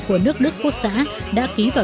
của nước đức quốc xã đã ký vào